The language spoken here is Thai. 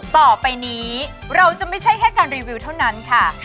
ต่อไปนี้เราจะไม่ใช่แค่การรีวิวเท่านั้นค่ะ